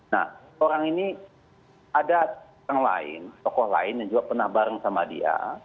nah orang ini ada orang lain tokoh lain yang juga pernah bareng sama dia